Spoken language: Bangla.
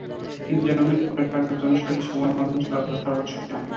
কিন্তু জনগণের করের টাকায় জনস্বার্থে এসব গণমাধ্যম চলার কথা, সরকারের স্বার্থে নয়।